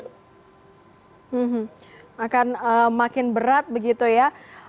hmm akan makin berat begitu ya